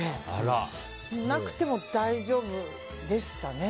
なくても大丈夫でしたね。